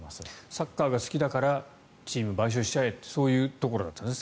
サッカーが好きだからチームを買収しちゃえとそういうところだったんですね